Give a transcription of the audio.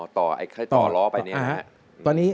อ๋อต่อล้อไปเนี่ย